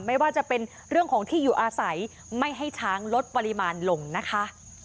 ไม่ว่าจะเป็นเรื่องของที่อยู่อาศัยไม่ให้ช้างลดปริมาณลงนะคะ